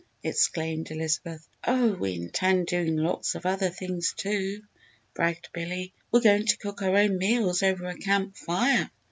exclaimed Elizabeth. "Oh we intend doing lots of other things, too," bragged Billy. "We're going to cook our own meals over a camp fire!"